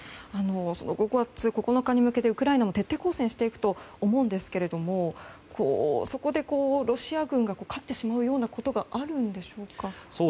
５月９日に向けてウクライナも徹底抗戦していくと思うんですけれどもそこでロシア軍が勝ってしまうようなことがあるんでしょうか。